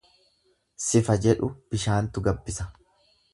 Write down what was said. Sifa jedhu bishaantu gabbisa.